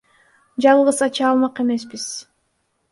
Жалгыз ача алмак эмеспиз.